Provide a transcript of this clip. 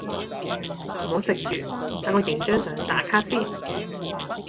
唔好食住，等我影張相打卡先。